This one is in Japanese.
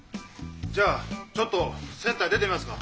じゃあちょっとセンターへ出てみますか？